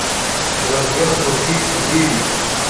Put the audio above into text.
Nshobora kubona kopi zibi?